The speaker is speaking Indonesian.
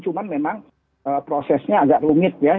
cuman memang prosesnya agak rumit ya